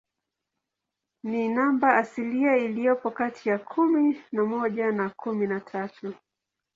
Ni namba asilia iliyopo kati ya kumi na moja na kumi na tatu.